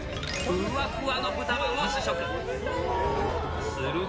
ふわふわの豚まんを試食。